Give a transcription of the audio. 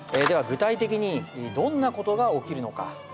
具体的にどんなことが起きるのか？